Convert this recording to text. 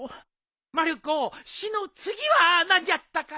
まる子「し」の次は何じゃったかのう？